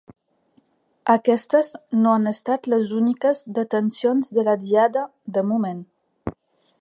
Aquestes no han estat les úniques detencions de la Diada, de moment.